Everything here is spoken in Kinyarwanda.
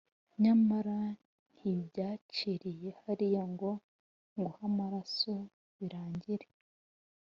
nyamara ntibyaciriye hariya ngo nguhe amaraso birangire